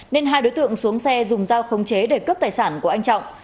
nên hai đối tượng xuống xe dùng dao khống chế để cướp tài sản của anh trọng